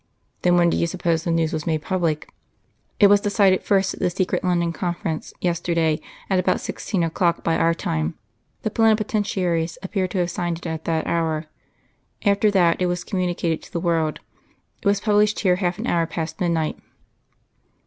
'" "Then when do you suppose the news was made public?" "'It was decided first at the secret London conference, yesterday, at about sixteen o'clock by our time. The Plenipotentiaries appear to have signed it at that hour. After that it was communicated to the world. It was published here half an hour past midnight.